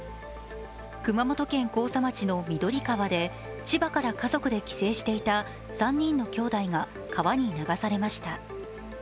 熊本県甲佐町の緑川で千葉から家族で帰省していた３人のきょうだいが川に流されました。